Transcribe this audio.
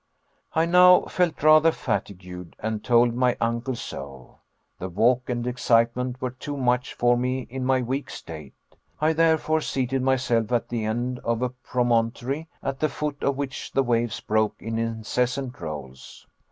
I now felt rather fatigued, and told my uncle so. The walk and excitement were too much for me in my weak state. I therefore seated myself at the end of a promontory, at the foot of which the waves broke in incessant rolls.